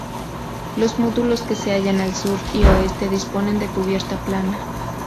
Los módulos que se hallan al sur y oeste disponen de cubierta plana.